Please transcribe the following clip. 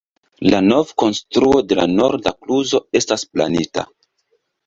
La novkonstruo de la norda kluzo estas planita.